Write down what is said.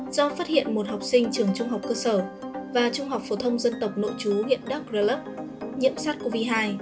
do phát hiện một học sinh trường trung học cơ sở và trung học phổ thông dân tộc nội chú huyện đắk rơ lấp nhiễm sars cov hai